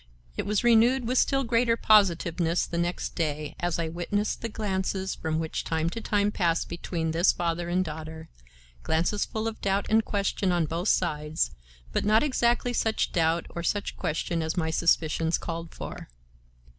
It was renewed with still greater positiveness the next day, as I witnessed the glances which from time to time passed between this father and daughter,—glances full of doubt and question on both sides, but not exactly such doubt or such question as my suspicions called for.